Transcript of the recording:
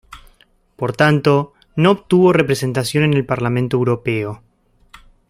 Por tanto, no obtuvo representación en el Parlamento Europeo.